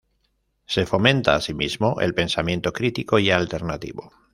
Se fomenta, asimismo, el pensamiento crítico y alternativo.